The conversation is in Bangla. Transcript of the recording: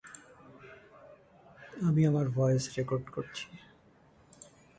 সবচেয়ে খারাপটা কী ছিল? উল্কি?